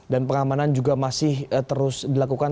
pengamanan juga masih terus dilakukan